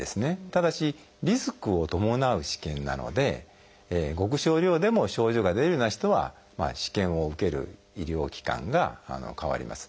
ただしリスクを伴う試験なのでごく少量でも症状が出るような人は試験を受ける医療機関が変わります。